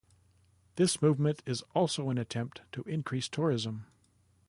This movement is also an attempt to increase tourism.